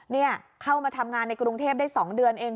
นี่เข้ามาทำงานในกรุงเทพได้๒เดือนเอง